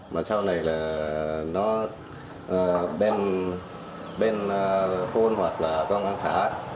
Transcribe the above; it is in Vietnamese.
mà sau này là nó bên thôn hoặc là công an xã